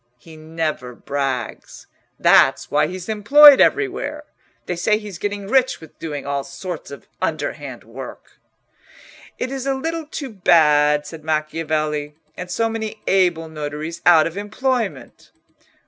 He never brags. That's why he's employed everywhere. They say he's getting rich with doing all sorts of underhand work." "It is a little too bad," said Macchiavelli, "and so many able notaries out of employment!"